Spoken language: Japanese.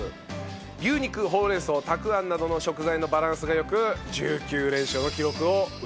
牛肉ほうれんそうたくあんなどの食材のバランスが良く１９連勝の記録を打ち立てました。